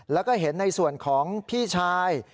แล้วก็เห็นในส่วนของพี่ชาย